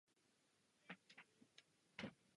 Tato společenstva hostí mnoho vzácných rostlin i živočichů.